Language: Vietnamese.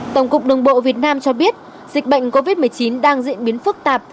tổng cục đường bộ việt nam cho biết dịch bệnh covid một mươi chín đang diễn biến phức tạp